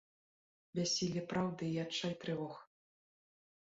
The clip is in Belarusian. Бяссілле праўды і адчай трывог.